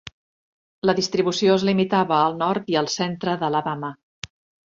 La distribució es limitava al nord i al centre d'Alabama.